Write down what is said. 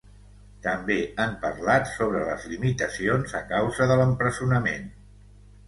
També han parlat sobre les limitacions a causa de l’empresonament.